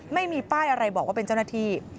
ไม่มีป้ายอะไรบอกว่าเป็นเจ้าหน้าที่